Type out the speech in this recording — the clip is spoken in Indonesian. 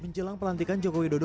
menjelang pelantikan jokowi dodo